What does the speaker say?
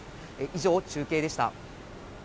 以上、中継でした。